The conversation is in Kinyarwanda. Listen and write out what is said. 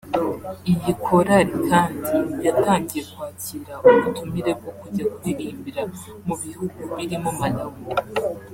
Iyi korali kandi yatangiye kwakira ubutumire bwo kujya kuririmbira mu bihugu birimo Malawi